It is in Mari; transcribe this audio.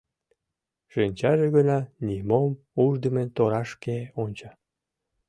Шинчаже гына нимом уждымын торашке онча.